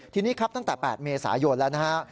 ทีนี้ครับตั้งแต่๘เมษายนแล้วนะฮะ